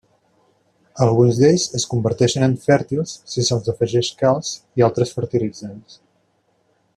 Alguns d'ells es converteixen en fèrtils si se'ls afegeix calç i altres fertilitzants.